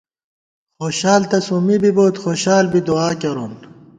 خوشال تہ سومّی بی بوئیت، خوشال بی دُعا کېرون